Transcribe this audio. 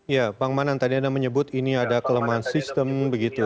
ya pang manan tadi anda menyebut ini ada kelemahan sistem begitu